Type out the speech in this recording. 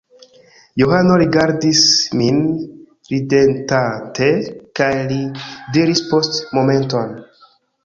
Johano rigardis min ridetante, kaj li diris post momento: